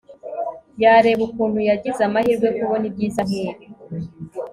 yareba ukuntu yagize amahirwe kubona ibyiza nkibi